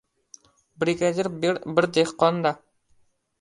Brigadir bir dehqon-da.